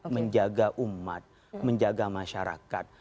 menjaga umat menjaga masyarakat